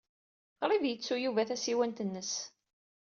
Qrib yettu Yuba tasiwant-nnes.